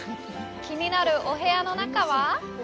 気になるお部屋の中は？